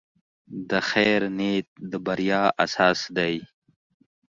د خیر نیت د بریا اساس دی.